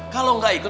kalau tidak ikut